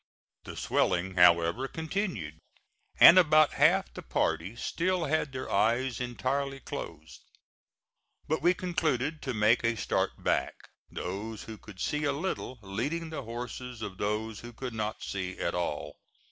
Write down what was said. The swelling, however, continued, and about half the party still had their eyes entirely closed; but we concluded to make a start back, those who could see a little leading the horses of those who could not see at all.